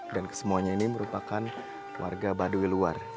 dan kesemuanya ini merupakan warga baduy luar